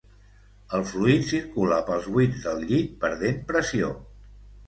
El fluid circula pels buits del llit perdent pressió.